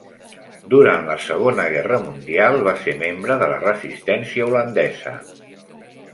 Durant la Segona Guerra Mundial va ser membre de la resistència holandesa.